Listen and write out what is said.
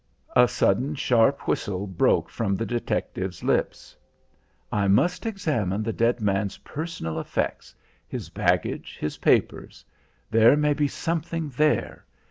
A sudden sharp whistle broke from the detective's lips. "I must examine the dead man's personal effects, his baggage, his papers; there may be something there.